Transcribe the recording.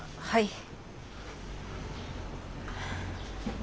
はい。